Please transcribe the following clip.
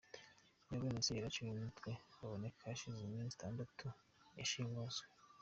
Yabonetse yaraciwe umutwe aboneka hashize iminsi itandatu ashimuswe.